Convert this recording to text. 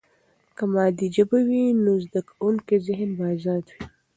که مادي ژبه وي، نو د زده کوونکي ذهن به آزاد وي.